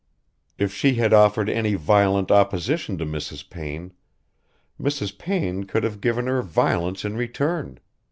If she had offered any violent opposition to Mrs. Payne, Mrs. Payne could have given her violence in return.